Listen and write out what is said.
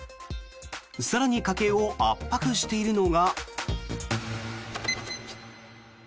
更に家計を圧迫しているのが。